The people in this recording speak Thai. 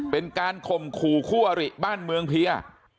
เป็นการข่มขู่คู่อริบ้านเมืองเพีย